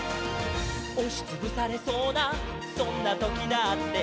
「おしつぶされそうなそんなときだって」